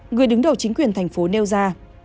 người đứng đầu chính quyền thành phố nêu ra